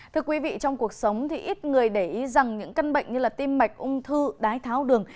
thưa quý vị trong cuộc sống thì ít người để ý rằng những căn bệnh như tim mạch ung thư đái tháo đường